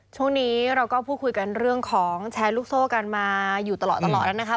ช่วงนี้เราก็พูดคุยกันเรื่องของแชร์ลูกโซ่กันมาอยู่ตลอดแล้วนะครับ